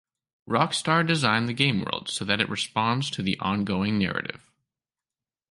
Rockstar designed the game world so that it responds to the ongoing narrative.